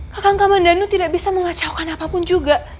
kakang kamandano tidak bisa mengacaukan apapun juga